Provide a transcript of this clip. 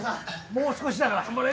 もう少しだから頑張れ。